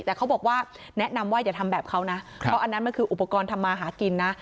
แต่เขาบอกว่าแนะนำว่าอย่าทำแบบเขานะเพราะอันนั้นมันคืออุปกรณ์ทำมาหากินนะ